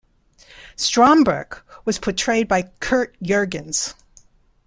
Stromberg was portrayed by Curt Jurgens.